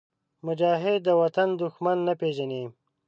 مجاهد د وطن دښمن نه پېژني.